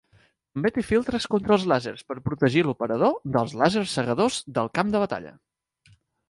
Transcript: També té filtres contra els làsers per protegir l'operador dels làsers cegadors del camp de batalla.